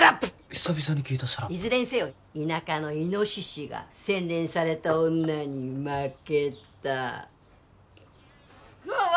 久々に聞いたシャラップいずれにせよ田舎のイノシシが洗練された女に負けたうわ